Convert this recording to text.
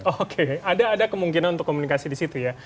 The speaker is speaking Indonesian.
oke ada kemungkinan untuk komunikasi di situ ya